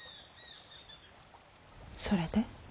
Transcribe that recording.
それで？